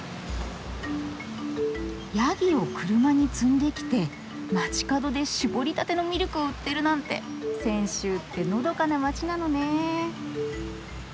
ヤギを車に積んできて街角で搾りたてのミルクを売ってるなんて泉州ってのどかな街なのねえ。